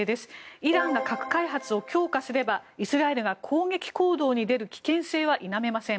イランが核開発を強化すればイスラエルが攻撃行動に出る危険性は否めません。